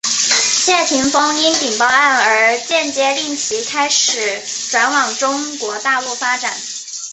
谢霆锋因顶包案而间接令其开始转往中国大陆发展。